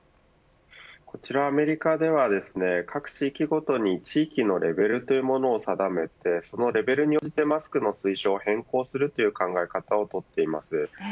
アメリカでは各地域ごとに地域のレベルというものを定めてそのレベルに応じてマスクの推奨を変更する形をとっています。